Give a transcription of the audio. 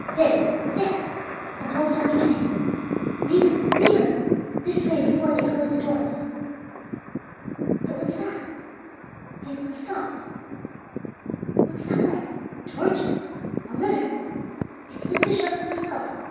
There there! The blows are beginning. Neighbor, neighbor, this way before they close the doors! "But what's that? They've left off. What's that light? Torches! a litter! It's the bishop himself!